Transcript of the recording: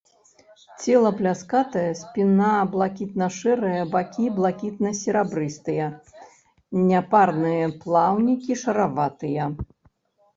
Цела пляскатае, спіна блакітна-шэрая, бакі блакітна-серабрыстыя, няпарныя плаўнікі шараватыя.